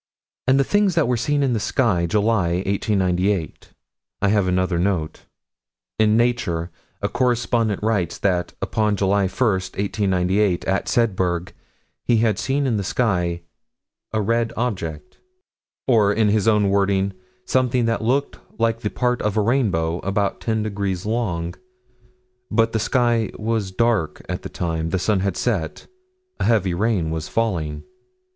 And the things that were seen in the sky July, 1898: I have another note. In Nature, 58 224, a correspondent writes that, upon July 1, 1898, at Sedberg, he had seen in the sky a red object or, in his own wording, something that looked like the red part of a rainbow, about 10 degrees long. But the sky was dark at the time. The sun had set. A heavy rain was falling.